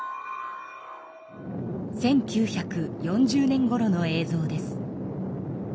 １９４０年ごろの映像です。